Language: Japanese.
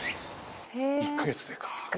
１か月でか。